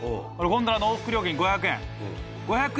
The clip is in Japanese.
ゴンドラの往復料金５００円。